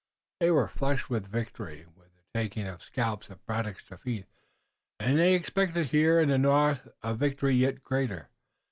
They were flushed with victory, with the mighty taking of scalps, at Braddock's defeat, and they expected here in the north a victory yet greater.